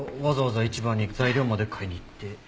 わざわざ市場に材料まで買いに行って。